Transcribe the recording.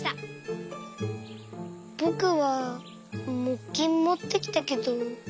ぼくはもっきんもってきたけど。